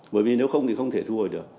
bởi vì nếu không thì không thể thu hồi được